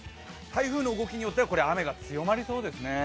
台風の動きによっては雨が強まりそうですね。